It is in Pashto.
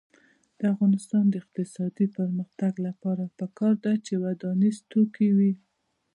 د افغانستان د اقتصادي پرمختګ لپاره پکار ده چې ودانیز توکي وي.